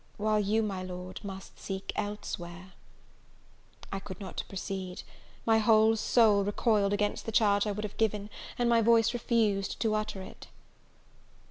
while you, my Lord, must seek elsewhere " I could not proceed; my whole soul recoiled against the charge I would have given, and my voice refused to utter it.